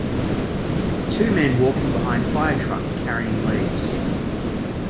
Two men walking behind firetruck carrying leaves.